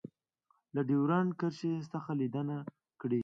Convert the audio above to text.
له ډیورنډ کرښې څخه لیدنه کړې